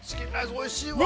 ◆おいしいね。